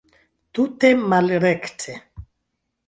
Tute malrekte!